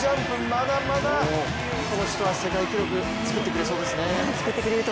まだまだ、この人は世界記録を作ってくれそうですね。